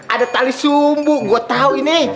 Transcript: ada tali sumbu gue tahu ini